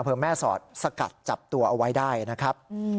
อำเภอแม่สอดสกัดจับตัวเอาไว้ได้นะครับ